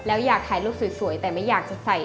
แล้วอยากถ่ายรูปสวยแต่ไม่อยากจะใส่